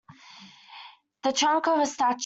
The trunk of a statue.